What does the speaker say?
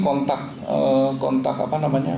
kontak kontak apa namanya